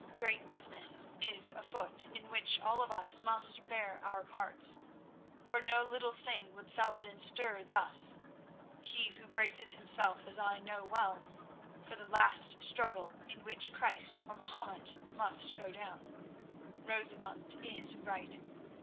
Great business is afoot in which all of us must bear our parts. For no little thing would Saladin stir thus—he who braces himself as I know well, for the last struggle in which Christ or Mahomet must go down. Rosamund is right.